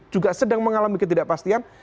juga sedang mengalami ketidakpastian